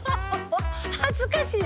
恥ずかしい。